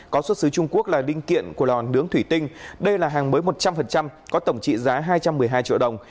có xuất xứ trung quốc là linh kiện của lò nướng thủy tinh đây là hàng mới một trăm linh có tổng trị giá hai trăm một mươi hai triệu đồng